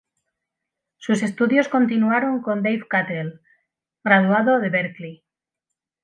Sus estudios continuaron con Dave Cutler, graduado de Berklee.